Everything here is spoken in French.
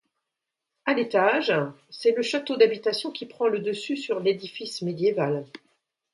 Å l'étage, c'est le château d'habitation qui prend le dessus sur l'édifice médiéval.